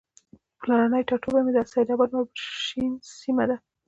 پلرنی ټاټوبی مې د سیدآباد مربوط شنیز سیمه ده